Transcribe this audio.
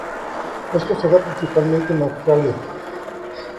Esto se da principalmente en Australia.